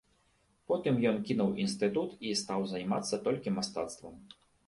Потым ён кінуў інстытут і стаў займацца толькі мастацтвам.